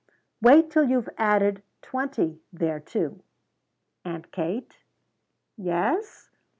Wait till you've added twenty thereto." "Aunt Kate?" "Yes?"